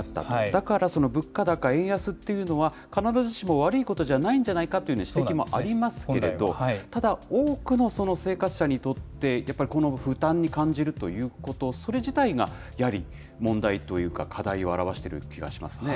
だから物価高、円安っていうのは、必ずしも悪いことじゃないんじゃないかという指摘もありますけれど、ただ、多くの生活者にとってやっぱりこの負担に感じるということ、それ自体がやはり問題というか、課題を表している気がしますね。